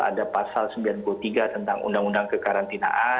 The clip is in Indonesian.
ada pasal sembilan puluh tiga tentang undang undang kekarantinaan